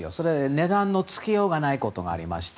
値段のつけようがないことがありまして。